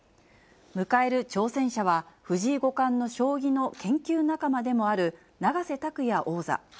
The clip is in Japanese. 迎える挑戦者は、藤井五冠の将棋の研究仲間でもある永瀬拓矢王座。